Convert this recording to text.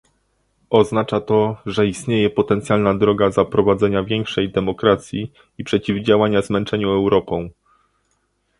Oznacza to, że istnieje potencjalna droga zaprowadzenia większej demokracji i przeciwdziałania zmęczeniu Europą